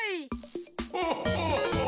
ホッホッホッホ！